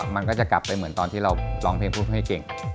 มันก็จะกลับไปเหมือนตอนที่เราร้องเพลงพูดให้เก่ง